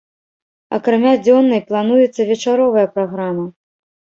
Акрамя дзённай плануецца вечаровая праграма.